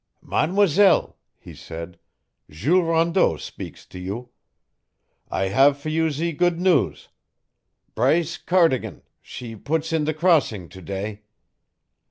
"Mademoiselle," he said, "Jules Rondeau speaks to you. I have for you zee good news. Bryce Cardigan, she puts in the crossing to day.